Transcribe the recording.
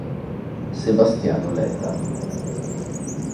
Sebastiano Ledda